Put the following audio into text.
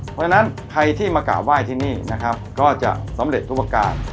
เพราะฉะนั้นใครที่มากราบไหว้ที่นี่นะครับก็จะสำเร็จทุกประการ